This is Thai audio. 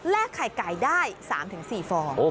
ไข่ไก่ได้๓๔ฟอง